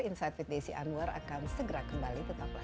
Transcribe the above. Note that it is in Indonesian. insight with desy anwar akan segera kembali tetap lo